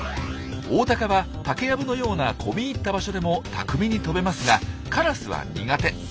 オオタカは竹やぶのような込み入った場所でも巧みに飛べますがカラスは苦手。